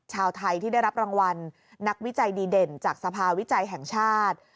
ชาวไทยที่ได้รับรางวัลนักวิจัยดีเด่นจากสภาวิจัยแห่งชาติ